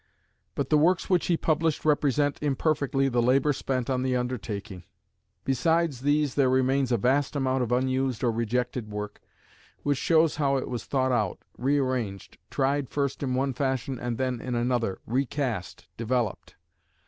But the works which he published represent imperfectly the labour spent on the undertaking. Besides these there remains a vast amount of unused or rejected work, which shows how it was thought out, rearranged, tried first in one fashion and then in another, recast, developed.